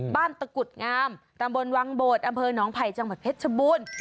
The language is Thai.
บ้านตะกุดงามตำบลวังโบดอำเภอน้องไผ่จังหวัดเพชรบุญ